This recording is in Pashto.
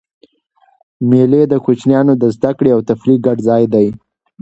مېلې د کوچنيانو د زدهکړي او تفریح ګډ ځای دئ.